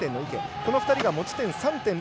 この２人が持ち点３．０。